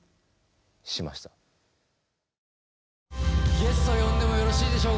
ゲスト呼んでもよろしいでしょうか。